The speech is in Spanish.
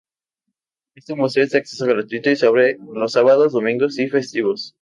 Este museo es de acceso gratuito y se abre los sábados, domingos y festivos.